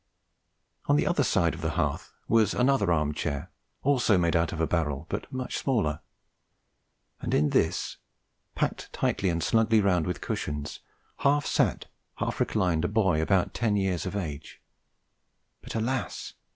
On the other side of the hearth was another arm chair, also made out of a barrel, but much smaller; and in this, packed tightly and snugly round with cushions, half sat, half reclined a boy about ten years of age; but, alas!